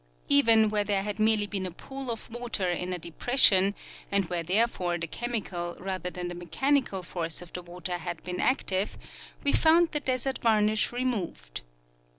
Even where there had merely been a pool of water in a deiDression, and where therefore the chemical rather than the mechanical force of the water had been active, we found the desert varnish removed.